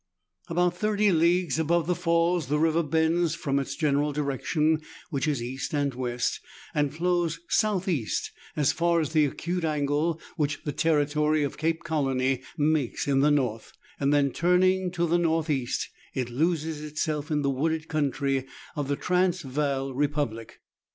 About thirty leagues above the falls the river bends from its general direction, which is east and west, and flows south east as far as the acute angle which the territory of Cape Colony makes in the north, and then turning to the north east, it loses itself in the wooded country of the Transvaal Republic.